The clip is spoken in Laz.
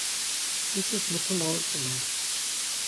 Mitis mutu mot utzomer.